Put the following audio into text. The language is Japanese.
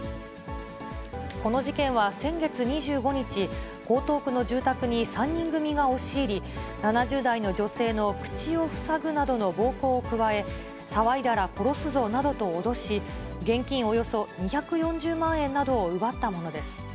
この事件は先月２５日、江東区の住宅に３人組が押し入り、７０代の女性の口を塞ぐなどの暴行を加え、騒いだら殺すぞなどと脅し、現金およそ２４０万円などを奪ったものです。